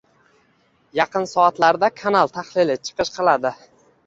Yaqin soatlarda kanal tahliliy chiqish qiladi.